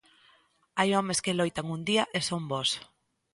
Hai homes que loitan un día e son bos.